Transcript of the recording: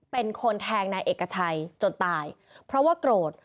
เป็นคนแทงนายเอกชัยจนตายเพราะว่าโกรธ